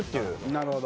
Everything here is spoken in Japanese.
なるほど。